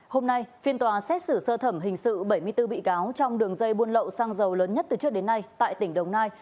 hôm nay phiên tòa xét xử sơ thẩm hình sự bảy mươi bốn bị cáo trong đường dây buôn lậu xăng dầu lớn nhất từ trước đến nay tại tỉnh đồng nai